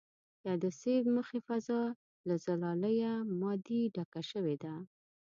د عدسیې د مخې فضا له زلالیه مادې ډکه شوې ده.